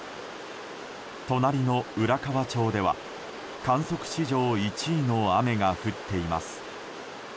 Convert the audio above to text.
隣の浦河町では観測史上１位の雨が降っています。